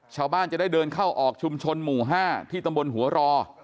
ชาวบ้านจะได้เดินเข้าออกชุมชนหมู่๕ที่ตำบลหัวรอ